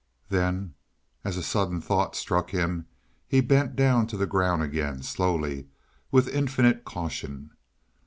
Then as a sudden thought struck him he bent down to the ground again, slowly, with infinite caution.